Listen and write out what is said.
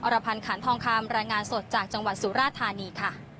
รพันธ์ขันทองคำรายงานสดจากจังหวัดสุราธานีค่ะ